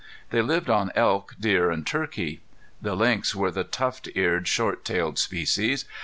They lived on elk, deer, and turkey. The lynx were the tuft eared, short tailed species.